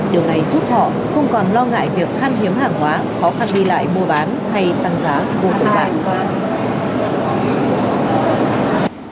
điều này giúp họ không còn lo ngại việc khăn hiếm hàng hóa khó khăn đi lại mua bán hay tăng giá bộ tổ đại